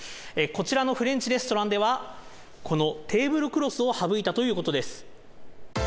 こちらのフレンチレストランでは、このテーブルクロスを省いたということです。